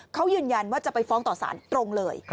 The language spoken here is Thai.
เขายืนยันว่าจะไปฟ้องต่อสารตรงเลย